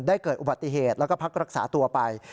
เกิดอุบัติเหตุแล้วก็พักรักษาตัวไป